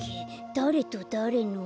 だれとだれの。